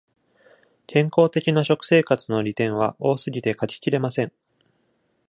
健康的な食生活の利点は多すぎて書ききれません。